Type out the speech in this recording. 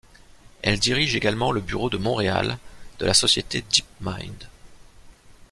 Elle dirige également le bureau de Montréal de la société Deepmind.